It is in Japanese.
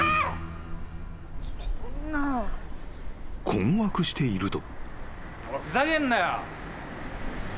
［困惑していると］